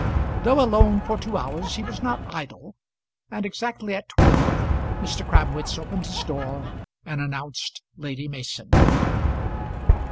Though alone for two hours he was not idle, and exactly at twelve Mr. Crabwitz opened his door and announced Lady Mason.